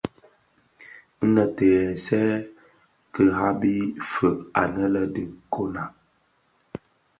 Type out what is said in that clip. Nnë ti ghèsèè ki ghabi fœug annë dhi nkonag.